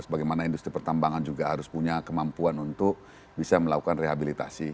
bagaimana industri pertambangan juga harus punya kemampuan untuk bisa melakukan rehabilitasi